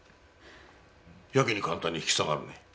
やけに簡単に引き下がるね。